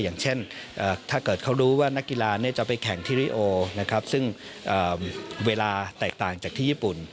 อย่างเช่นถ้าเกิดเขารู้ว่านักกีฬาจะไปแข่งที่ริโอนะครับซึ่งเวลาแตกต่างจากที่ญี่ปุ่น